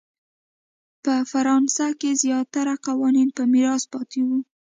په فرانسه کې زیاتره قوانین په میراث پاتې وو.